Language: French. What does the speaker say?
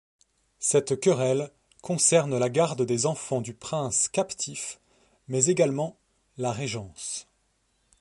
Cette querelle concerne la garde des enfants du prince captif mais également la régence.